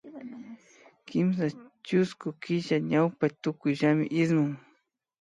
Kimsa chusku killa ñawpa tukuyllami ismun